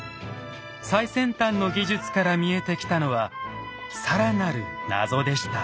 最先端の技術から見えてきたのは更なる謎でした。